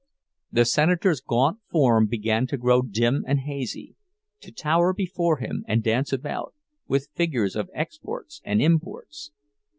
The senator's gaunt form began to grow dim and hazy, to tower before him and dance about, with figures of exports and imports.